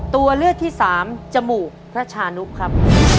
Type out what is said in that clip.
ตัวที่๓ครับ